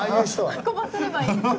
運ばせればいい。